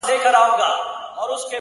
څه به زر کلونه د خیالي رستم کیسه کوې!!